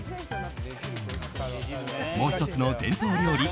もう１つの伝統料理